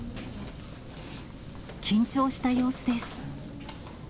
緊張した様子です。